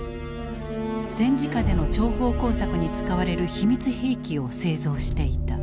戦時下での諜報工作に使われる秘密兵器を製造していた。